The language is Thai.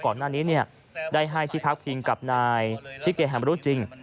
ก่อนหน้านี้ได้ให้ที่พักพิงกับนายชิเกแฮมรุจริง